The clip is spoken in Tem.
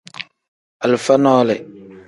Alifa nole.